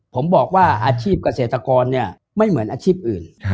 ผมบอกว่าอาชีพเกษตรกรเนี่ยไม่เหมือนอาชีพอื่น